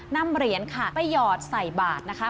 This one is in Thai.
นำเหรียญค่ะไปหยอดใส่บาทนะคะ